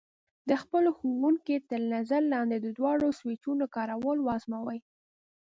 د خپلو ښوونکي تر نظر لاندې د دواړو سویچونو کارول وازموئ.